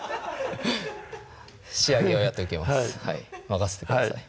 仕上げはやっておきます任せてください